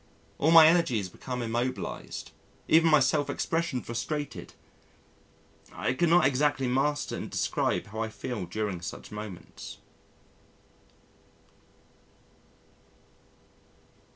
All my energies become immobilised, even my self expression frustrated. I could not exactly master and describe how I feel during such moments.